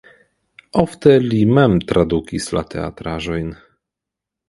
Ofte li mem tradukis la teatraĵojn.